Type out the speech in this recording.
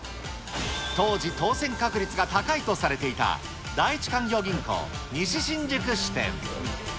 当時、当せん確率が高いとされていた第一勧業銀行西新宿支店。